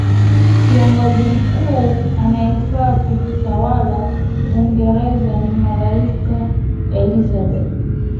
kiongozi mkuu anyefaa kuitawala uingereza ni malkia elizabeth